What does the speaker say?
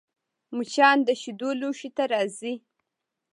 مچان د شیدو لوښي ته راځي